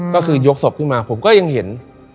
ก็คือยกศพขึ้นมาผมก็ยังเห็น